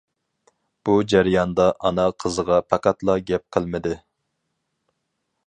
بۇ جەرياندا ئانا قىزىغا پەقەتلا گەپ قىلمىدى.